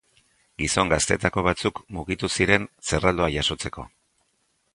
Gizon gazteetako batzuk mugitu ziren zerraldoa jasotzeko.